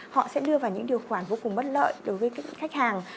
họ sẽ đưa vào những điều khoản vô cùng bất lợi đối với các khách hàng